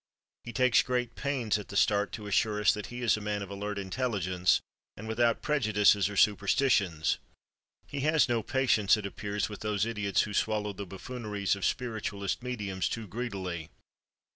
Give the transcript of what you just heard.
He takes great pains at the start to assure us that he is a man of alert intelligence and without prejudices or superstitions. He has no patience, it appears, with those idiots who swallow the buffooneries of spiritualist mediums too greedily.